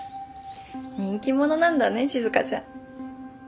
人気者なんだね静ちゃん。